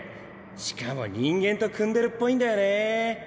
しかも人間と組んでるっぽいんだよね